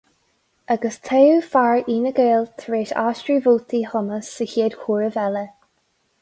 Agus toghadh fear Fhine Gael tar éis aistriú vótaí Thomas sa gcéad chomhaireamh eile.